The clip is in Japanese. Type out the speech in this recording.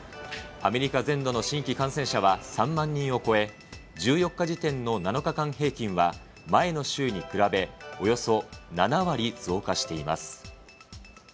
アメリカ全土の新規感染者は３万人を超え、１４日時点の７日間平均は、前の週に比べ、およそ７割増加しています。